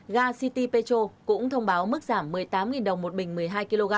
ga city petro cũng thông báo mức giảm một mươi tám đồng một bình